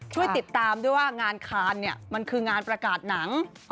ช่วยติดตามด้วยว่างานคานเนี่ยมันคืองานประกาศหนัง